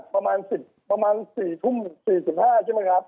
๒๘ประมาณ๑๐ประมาณ๔ทุ่ม๔๕ใช่ไหมครับ